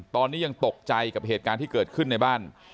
ตอนนี้ยังตกใจกับเหตุการณ์ที่เกิดขึ้นในบ้าน